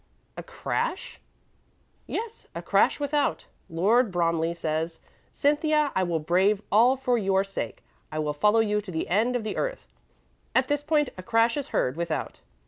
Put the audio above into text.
"A crash?" "Yes, 'a crash without.' Lord Bromley says, 'Cynthia, I will brave all for your sake. I will follow you to the ends of the earth.' At this point a crash is heard without.